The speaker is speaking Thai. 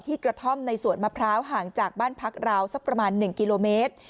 กระท่อมในสวนมะพร้าวห่างจากบ้านพักราวสักประมาณ๑กิโลเมตร